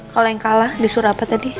kalau yang kalah di surabaya tadi